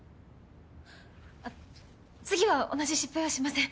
あっ次は同じ失敗はしません。